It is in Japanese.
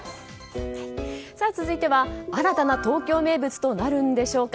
続いては、新たな東京名物となるんでしょうか。